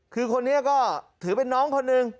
คือคนนี้ก็ถือเป็นน้องคนหนึ่ง